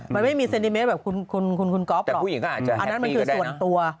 มันไม่มีเซนติเมตรแบบคุณก๊อฟหรอกอันนั้นมันคือส่วนตัว